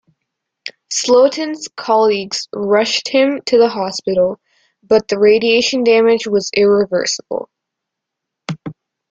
Slotin's colleagues rushed him to the hospital, but the radiation damage was irreversible.